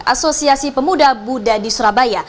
asosiasi pemuda buddha di surabaya